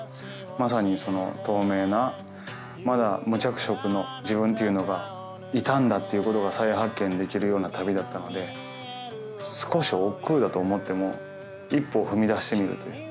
まさに透明なまだ無着色の自分っていうのがいたんだっていうことが再発見できるような旅だったので少しおっくうだと思っても一歩踏み出してみるという。